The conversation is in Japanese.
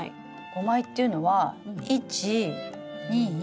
５枚っていうのは１２３。